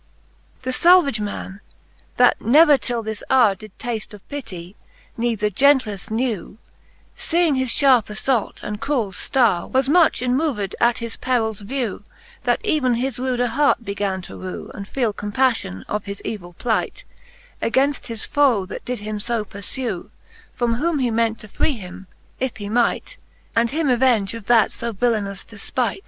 The Salvage man, that never till this hourc Did tafte of pittie, neither gentlefle knew, Seeing his fharpe allault and cruell ftoure, Was much emmoved at his perils vew, That even his ruder hart began to rew, And feel compaflion of his evil plight, Againft his foe, that did him {o purfew: From whom he meant to free him, if he might. And him avenge of that fo villenous defpight.